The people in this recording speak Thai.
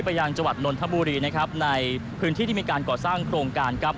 ไปยังจัวร์ดนนทบุรีในพื้นที่ที่มีการก่อสร้างโครงการ